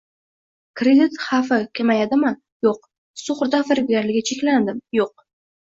Kredit xavfi kamayadimi? Yo'q Sug'urta firibgarligi cheklanganmi? Yo'q